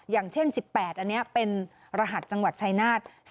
อย่างเช่น๑๘อันนี้เป็นรหัสจังหวัดชายนาฏ